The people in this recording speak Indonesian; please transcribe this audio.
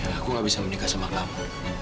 ya aku nggak bisa menikah sama kamu